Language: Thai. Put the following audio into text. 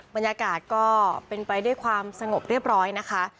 บรรยากาศก็เป็นไปด้วยความสงบเรียบร้อยนะคะ